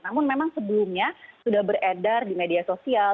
namun memang sebelumnya sudah beredar di media sosial